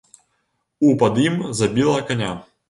У пад ім забіла каня.